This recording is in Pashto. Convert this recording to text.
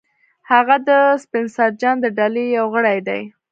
هغه د سپنسر جان د ډلې یو غړی دی